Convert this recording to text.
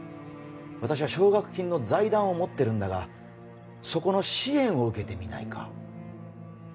私は奨学金の財団を持ってるんだがそこの支援を受けてみないか？